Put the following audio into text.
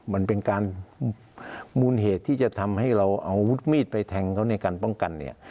มันเป็นการมูลเหตุที่จะทำให้เราอาวุธมีดไปแทงเขาในการป้องกันเนี่ย